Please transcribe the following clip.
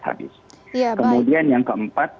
habis kemudian yang keempat